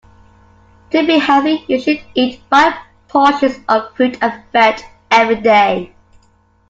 To be healthy you should eat five portions of fruit and veg every day